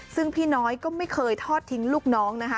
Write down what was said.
ซึ่งพี่น้อยก็ไม่เคยทอดทิ้งลูกน้องนะคะ